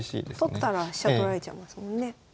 取ったら飛車取られちゃいますもんね。